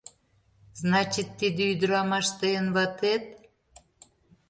Значит, тиде ӱдырамаш — тыйын ватет?